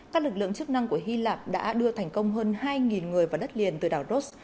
các lực lượng chức năng của hy lạp đã đưa thành công hơn hai người vào đất liền từ đảo ross